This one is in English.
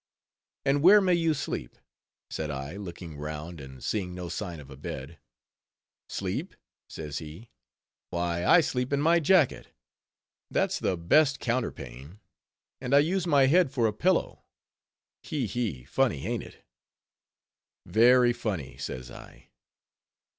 "And where may you sleep?" said I, looking round, and seeing no sign of a bed. "Sleep?" says he, "why I sleep in my jacket, that's the best counterpane; and I use my head for a pillow. He he, funny, ain't it?" "Very funny," says I.